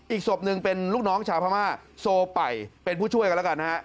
อีกศพหนึ่งเป็นลูกน้องชาวพม่าโซไป่เป็นผู้ช่วยกันแล้วกันนะฮะ